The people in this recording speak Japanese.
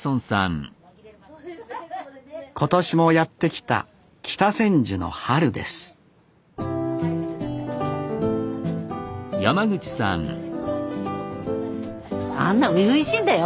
今年もやって来た北千住の春ですあんな初々しいんだよ。